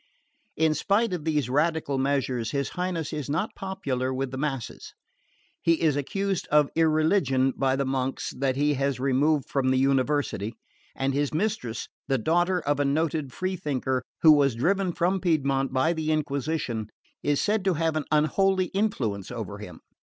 In spite of these radical measures, his Highness is not popular with the masses. He is accused of irreligion by the monks that he has removed from the University, and his mistress, the daughter of a noted free thinker who was driven from Piedmont by the Inquisition, is said to have an unholy influence over him.